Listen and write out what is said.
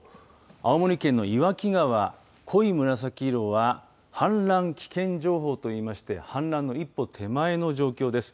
青森県の岩木川濃い紫色は氾濫危険情報といいまして氾濫の一歩手前の状況です。